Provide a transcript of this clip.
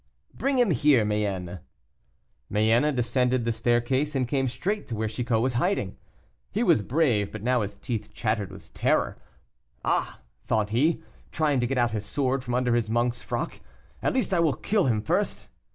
"Bring him here, Mayenne." Mayenne descended the staircase and came straight to where Chicot was hiding. He was brave, but now his teeth chattered with terror. "Ah," thought he, trying to get out his sword from under his monk's frock, "at least I will kill him first!"